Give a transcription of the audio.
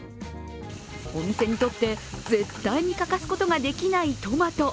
お店にとって絶対に欠かすことができないトマト。